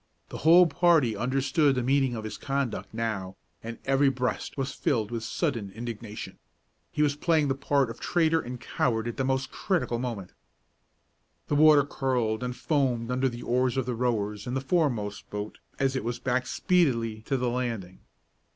The whole party understood the meaning of his conduct now, and every breast was filled with sudden indignation. He was playing the part of traitor and coward at a most critical moment. The water curled and foamed under the oars of the rowers in the foremost boat as it was backed speedily to the landing.